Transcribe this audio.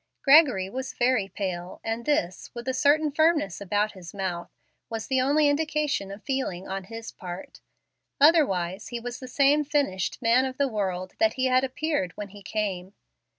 Gregory was very pale, and this, with a certain firmness about his mouth, was the only indication of feeling on his part. Otherwise, he was the same finished man of the world that he had appeared when he came.